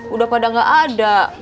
udah pada gak ada